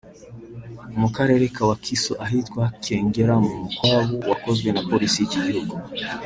mu Karere ka Wakiso ahitwa Kyengera mu mukwabu wakozwe na Polisi y’iki gihugu